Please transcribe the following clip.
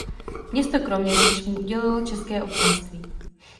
Město Kroměříž mu udělilo čestné občanství.